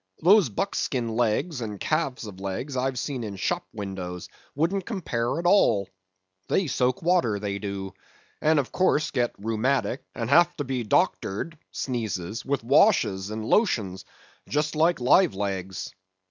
Those buckskin legs and calves of legs I've seen in shop windows wouldn't compare at all. They soak water, they do; and of course get rheumatic, and have to be doctored with washes and lotions, just like live legs.